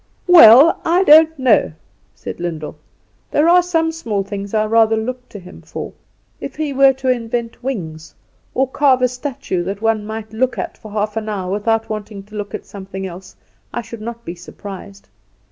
"Well, I don't know," said Lyndall; "there are some small things I rather look to him for. If he were to invent wings, or carve a statue that one might look at for half an hour without wanting to look at something else, I should not be surprised.